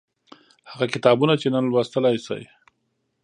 هغه کتابونه چې نن لوستلای شئ